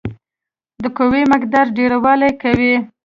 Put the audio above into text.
د قوې مقدار ډیروالی کوي.